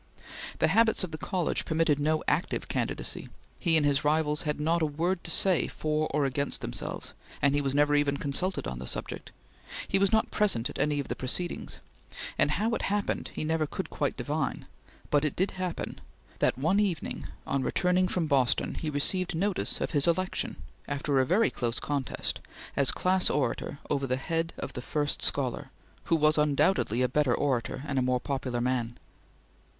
The habits of the college permitted no active candidacy; he and his rivals had not a word to say for or against themselves, and he was never even consulted on the subject; he was not present at any of the proceedings, and how it happened he never could quite divine, but it did happen, that one evening on returning from Boston he received notice of his election, after a very close contest, as Class Orator over the head of the first scholar, who was undoubtedly a better orator and a more popular man.